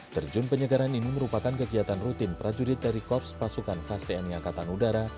terjun penyegaran ini merupakan kegiatan rutin prajurit dari korps pasukan khas tni angkatan udara